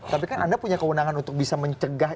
tapi kan anda punya kewenangan untuk bisa mencegah